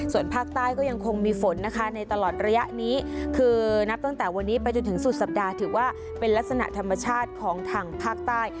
ส่วนภาคใต้ก็ยังคงมีฝนนะคะในตลอดระยะนี้คือนับตั้งแต่วันนี้ไปจนถึงสุดสัปดาห์ถือว่าเป็นลักษณะธรรมชาติของทางภาคใต้